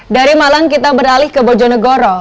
dari malang kita beralih ke bojonegoro